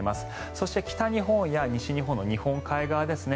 そして北日本や西日本の日本海側ですね